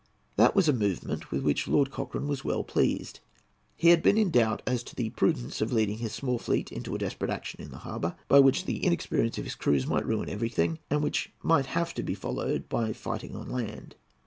That was a movement with which Lord Cochrane was well pleased. He had been in doubt as to the prudence of leading his small fleet into a desperate action in the harbour, by which the inexperience of his crews might ruin everything, and which might have to be followed by fighting on land.